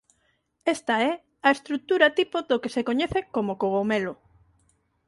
Esta é a estrutura tipo do que se coñece como cogomelo.